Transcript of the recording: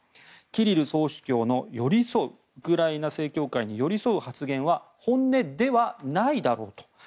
キリル総主教のウクライナ正教会に寄り添う発言は本音ではないだろうと。